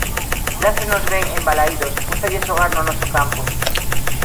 Dásenos ben en Balaídos, cústalles xogar no noso campo.